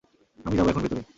আমি যাব এখন ভেতরে।